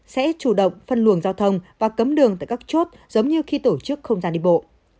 sẽ chủ động phân luồng giao thông và cấm đường tại các chốt giống như khi tổ chức không gian đi bộ